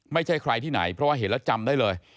ไม่ใช่ใครที่ไหนเพราะว่าเห็นแล้วจำได้เลย